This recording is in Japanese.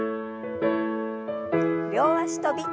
両脚跳び。